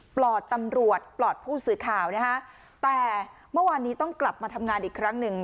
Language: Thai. ปลอดตำรวจปลอดผู้สื่อข่าวนะฮะแต่เมื่อวานนี้ต้องกลับมาทำงานอีกครั้งหนึ่ง